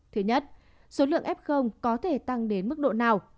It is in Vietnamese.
thứ nhất số lượng f có thể tăng đến mức độ nào